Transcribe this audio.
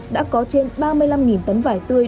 đã có trên ba mươi năm tấn vải tươi